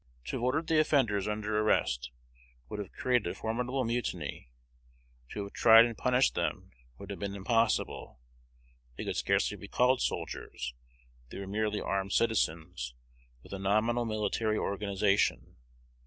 To have ordered the offenders under arrest would have created a formidable mutiny; to have tried and punished them would have been impossible. They could scarcely be called soldiers: they were merely armed citizens, with a nominal military organization.